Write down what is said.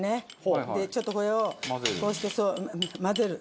でちょっとこれをこうして混ぜる。